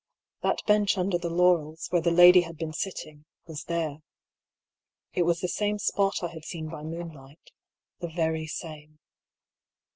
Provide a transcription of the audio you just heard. That bench under the laurels, where the lady had been sitting, was there. It was the same spot I had seen by moonlight — the very same.